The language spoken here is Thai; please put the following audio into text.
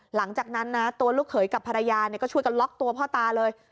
หลังจากนั้นนะตัวลูกเขยกับภรรยาก็ช่วยกันล็อกตัวพ่อตาเลย